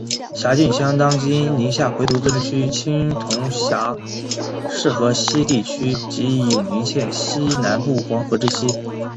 辖境相当今宁夏回族自治区青铜峡市河西地区及永宁县西南部黄河之西。